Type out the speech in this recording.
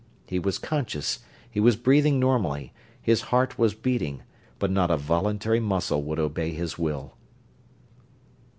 He was conscious, he was breathing normally, his heart was beating; but not a voluntary muscle would obey his will.